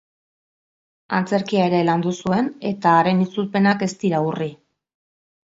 Antzerkia ere landu zuen, eta haren itzulpenak ez dira urri.